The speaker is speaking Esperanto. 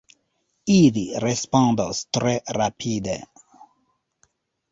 Ili respondos tre rapide!